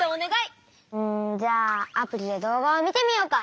うんじゃあアプリで動画を見てみようか？